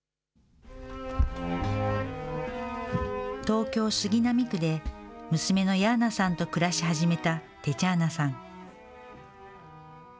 東京・杉並区で、娘のヤーナさんと暮らし始めたテチャーナさん。